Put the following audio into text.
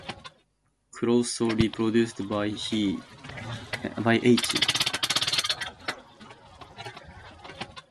Crowe Story produced by H. Russell Farmer.